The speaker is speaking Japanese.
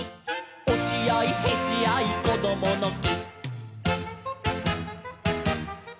「おしあいへしあいこどものき」